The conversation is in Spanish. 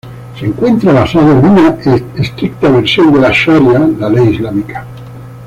Se encuentra basado en una estricta versión de la "sharia", la ley islámica.